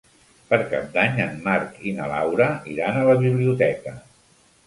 Per Cap d'Any en Marc i na Laura iran a la biblioteca.